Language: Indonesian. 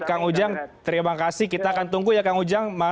kang ujang terima kasih kita akan tunggu ya kang ujang